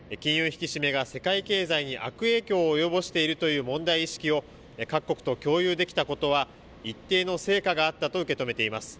引き締めが世界経済に悪影響を及ぼしているという問題意識を各国と共有できたことは一定の成果があったと受け止めています。